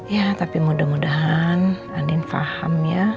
ya tapi mudah mudahan andin faham ya